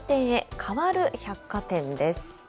変わる百貨店です。